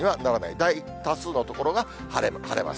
大多数の所が晴れます。